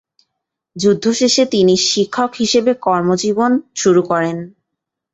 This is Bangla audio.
যুদ্ধ শেষে তিনি শিক্ষক হিসেবে কর্মজীবন শুরু করেন।